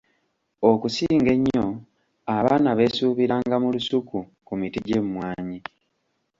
Okusinga ennyo abaana beesuubiranga mu lusuku ku miti gy’emimwanyi.